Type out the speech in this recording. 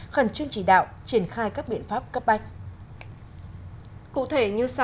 khẩn trương chỉ đạo triển khai các biện pháp cấp bách